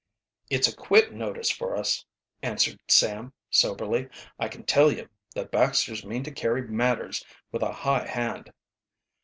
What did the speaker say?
"It's a quit notice for us," answered Sam soberly. "I can tell you, the Baxters mean to carry matters with a high hand."